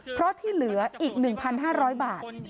เพราะที่เหลืออีก๑๕๐๐บาท